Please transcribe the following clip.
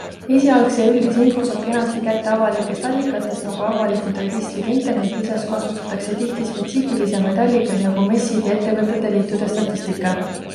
Esialgse ja üldise info saab kenasti kätte avalikest allikatest nagu avalikud registrid ja internet, lisaks kasutatakse tihti spetsiifilisemaid allikaid nagu messid ja ettevõtete liitude statistika.